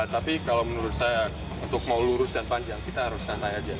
tapi kalau menurut saya untuk mau lurus dan panjang kita harus santai aja